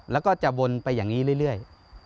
แล้วก็จะวนไปอย่างนี้เรื่อย